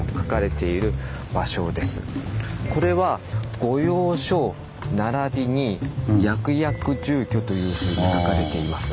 これは「御用所役々住居」というふうに書かれています。